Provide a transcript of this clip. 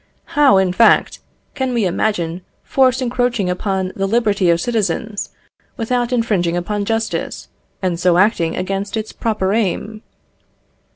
How, in fact, can we imagine force encroaching upon the liberty of citizens without infringing upon justice, and so acting against its proper aim?